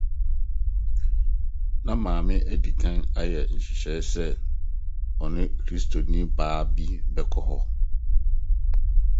Na Maame adi kan ayɛ nhyehyɛe sɛ ɔne Kristoni bea bi bɛkɔ hɔ.